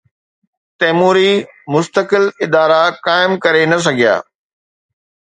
تيموري مستقل ادارا قائم ڪري نه سگھيا.